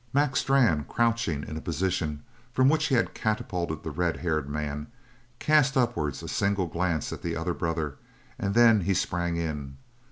Mac Strann, crouching in the position from which he had catapulted the red haired man, cast upwards a single glance at the other brother, and then he sprang in.